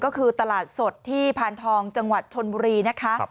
ก็คือตลาดสดที่พานทองจังหวัดชนบุรีนะคะ